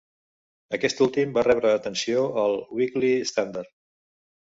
Aquest últim va rebre atenció al Weekly Standard.